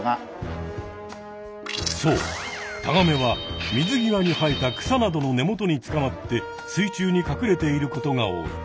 そうタガメは水ぎわに生えた草などの根元につかまって水中にかくれていることが多い。